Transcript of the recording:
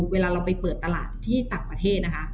เวลาเราไปเปิดตลาดที่ต่างประเทศนะคะ